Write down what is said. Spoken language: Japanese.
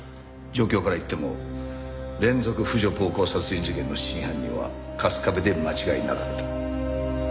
状況からいっても連続婦女暴行殺人事件の真犯人は春日部で間違いなかった。